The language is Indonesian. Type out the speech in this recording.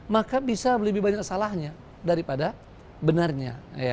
maka bisa lebih banyak salahnya daripada benarnya